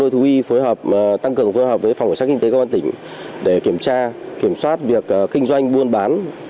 thú y tăng cường phối hợp với phòng cảnh sát kinh tế công an tỉnh để kiểm tra kiểm soát việc kinh doanh buôn bán